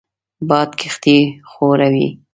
باد کښتۍ ښوروي